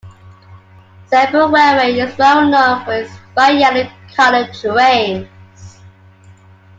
Seibu Railway is well known for its bright yellow colored trains.